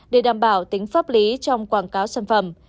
để đảm bảo tính pháp lý trong quảng cáo sản phẩm